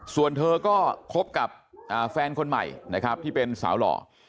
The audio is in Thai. ส่วนเธอก็คบกับแฟนคนใหม่นะครับที่เป็นสาวหล่อ